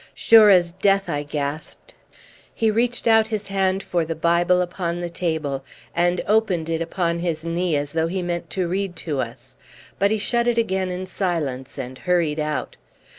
"Sure as death!" I gasped. He reached out his hand for the Bible upon the table, and opened it upon his knee as though he meant to read to us; but he shut it again in silence, and hurried out.